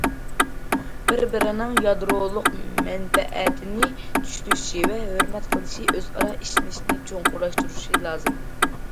بىر- بىرىنىڭ يادرولۇق مەنپەئەتىنى چۈشىنىشى ۋە ھۆرمەت قىلىشى، ئۆزئارا ئىشىنىشنى چوڭقۇرلاشتۇرۇشى لازىم.